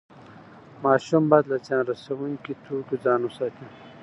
ماشوم باید له زیان رسوونکي توکیو ځان وساتي.